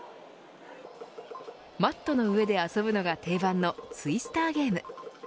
マットの上で遊ぶのが定番のツイスターゲーム。